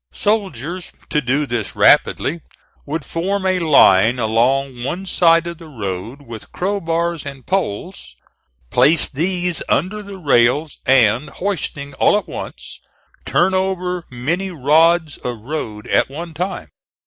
Soldiers to do this rapidly would form a line along one side of the road with crowbars and poles, place these under the rails and, hoisting all at once, turn over many rods of road at one time.